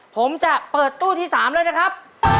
ผมจะเปิดตู้ที่๓แล้วนะครับ